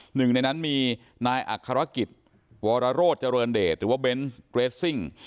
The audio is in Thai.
หนึ่งในนั้นมีนายอัครกิจวรโรธเจริญเดชหรือว่าเบนส์เกรสซิ่ง